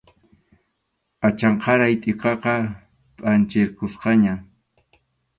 Achanqaray tʼikaqa phanchirqusqaña.